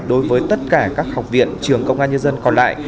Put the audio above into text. đối với tất cả các học viện trường công an nhân dân còn lại